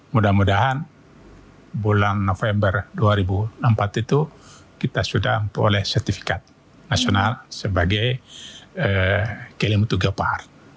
mudah mudahan bulan november dua ribu empat itu kita sudah memperoleh sertifikat nasional sebagai killem to geopart